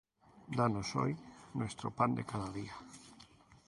Danos hoy nuestro pan de cada día;